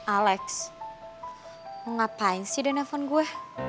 alex mau ngapain sih dia nelfon gua